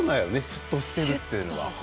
シュッとしてるっていうのは。